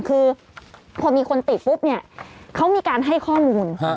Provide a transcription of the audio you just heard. คือพอมีคนติดปุ๊บเนี่ยเขามีการให้ข้อมูล